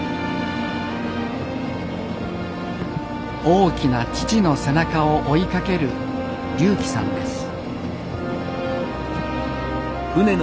大きな父の背中を追いかける龍希さんです。